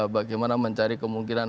bagaimana mencari kemungkinan